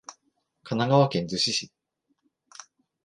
神奈川県逗子市